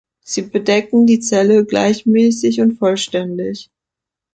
Sie bedecken die Zelle gleichmäßig und vollständig.